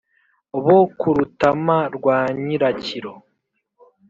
bo ku rutama rwa nyirakiro